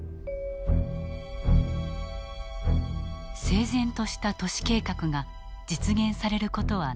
整然とした都市計画が実現される事はなかった。